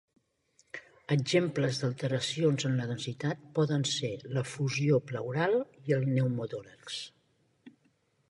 Exemples d'alteracions en la densitat poden ser l'efusió pleural i el pneumotòrax.